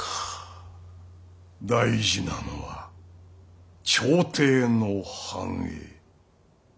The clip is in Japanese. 大事なのは朝廷の繁栄。